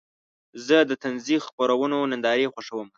زه د طنزي خپرونو نندارې خوښوم.